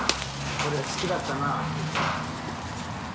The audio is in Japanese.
これ好きだったな。